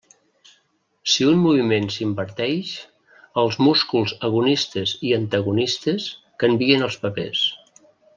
Si un moviment s'inverteix, els músculs agonistes i antagonistes canvien els papers.